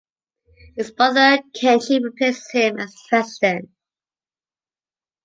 His brother Kenji replaces him as president.